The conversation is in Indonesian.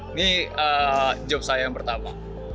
ini job saya yang pertama